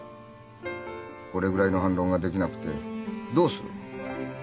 これぐらいの反論ができなくてどうする。